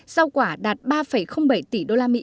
rau quả đạt ba bảy tỷ usd